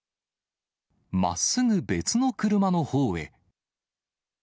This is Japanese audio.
まっすぐ別の車のほうへ。